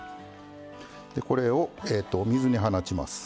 これをお水に放ちます。